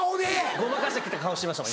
ごまかして来た顔してましたもん。